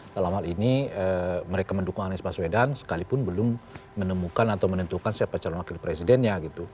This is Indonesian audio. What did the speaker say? dalam hal ini mereka mendukung anies baswedan sekalipun belum menemukan atau menentukan siapa calon wakil presidennya gitu